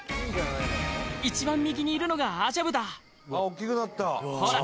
一番右にいるのがアジャブだほら